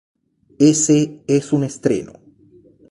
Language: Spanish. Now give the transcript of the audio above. Ese es un estreno.